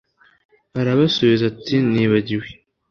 Arabasubiza ati Nibagiwe